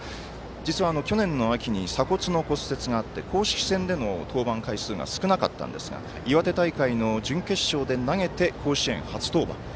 実は去年の秋に鎖骨の骨折があって公式戦での登板が少なかったんですが岩手大会の準決勝で投げて甲子園初登板。